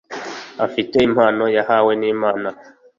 afite impano yahawe n’Imana